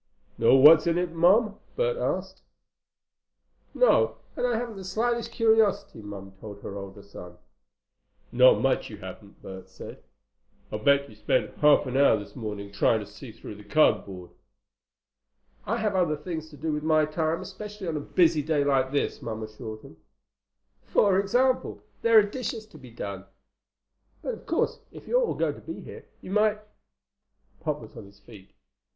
"Know what's in it, Mom?" Bert asked. "No. And I haven't the slightest curiosity," Mom told her older son. "Not much, you haven't!" Bert said. "I'll bet you spent half an hour this morning trying to see through the cardboard." "I have other things to do with my time, especially on a busy day like this," Mom assured him. "For example, there are the dishes to be done. But of course if you're all going to be here, you might—" Pop was on his feet.